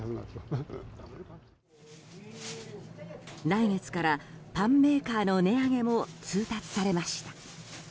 来月からパンメーカーの値上げも通達されました。